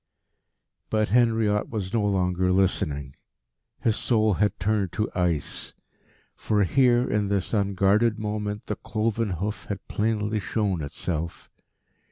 But Henriot was no longer listening. His soul had turned to ice. For here, in this unguarded moment, the cloven hoof had plainly shown itself.